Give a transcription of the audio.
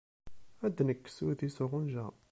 Ad d-nekkes udi s uɣenǧa.